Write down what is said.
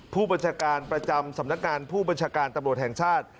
ผู้บัญชาการประจำสำนักงานผู้บัญชาการตำรวจแห่งชาติ